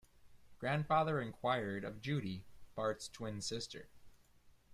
Grandfather inquired of Judy, Bart's twin sister.